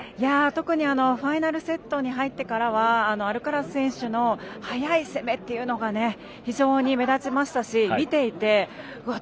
特に、ファイナルセットに入ってからはアルカラス選手の速い攻めっていうのが非常に目立ちましたし、見ていてうわっ！